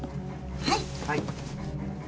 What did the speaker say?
はい。